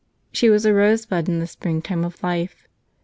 She was a rosebud in the springtime of life.